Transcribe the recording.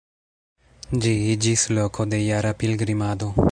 Ĝi iĝis loko de jara pilgrimado.